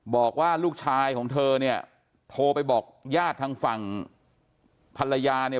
บอกว่าลูกชายของเธอเนี่ยโทรไปบอกญาติทางฝั่งภรรยาเนี่ย